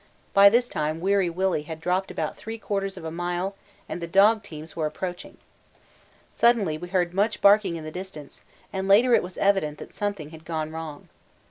By this time Weary Willy had dropped about three quarters of a mile and the dog teams were approaching. Suddenly we heard much barking in the distance, and later it was evident that something had gone wrong.